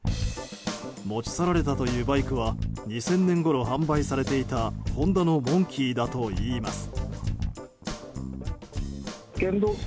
持ち去られたというバイクは２０００年ごろ販売されていたホンダのモンキーだといいます。